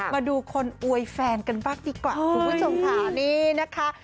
มาดูคนอวยแฟนกันบ้างดีกว่าคุณผู้ชมค่ะนี่นะคะ